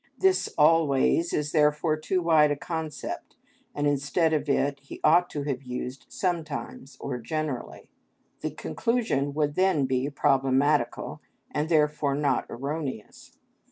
This "always" is therefore too wide a concept, and instead of it he ought to have used "sometimes" or "generally." The conclusion would then be problematical, and therefore not erroneous.